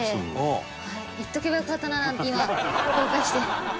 言っとけばよかったななんて今後悔して。